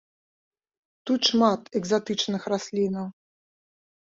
Тут шмат экзатычных раслінаў.